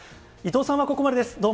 伊藤さんはここまでです。